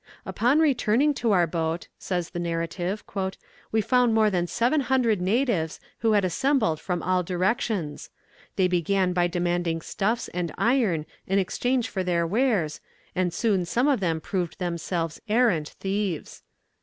"Upon returning to our boat," says the narrative, "we found more than seven hundred natives, who had assembled from all directions. They began by demanding stuffs and iron in exchange for their wares, and soon some of them proved themselves arrant thieves.